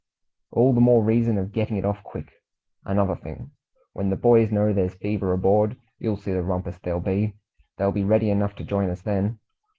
"All the more reason of getting it off quick. Another thing, when the boys know there's fever aboard, you'll see the rumpus there'll be. They'll be ready enough to join us then.